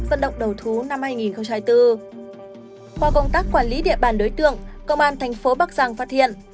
vận động đầu thú năm hai nghìn hai mươi bốn qua công tác quản lý địa bàn đối tượng công an thành phố bắc giang phát hiện